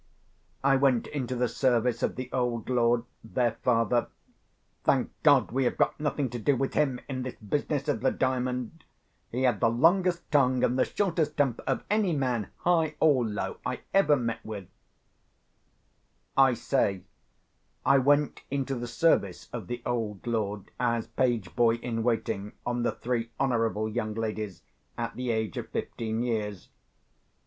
I went into the service of the old lord, their father (thank God, we have got nothing to do with him, in this business of the Diamond; he had the longest tongue and the shortest temper of any man, high or low, I ever met with)—I say, I went into the service of the old lord, as page boy in waiting on the three honourable young ladies, at the age of fifteen years.